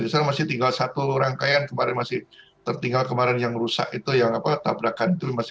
tidak masih tinggal satu rangkaian kemarin masih tertinggal kemarin yang rusak itu yang apa tabrakan